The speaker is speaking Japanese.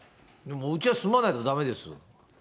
うちは住まないとだめです。